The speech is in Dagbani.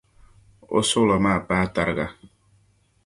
O suɣilo maa daa paai tariga.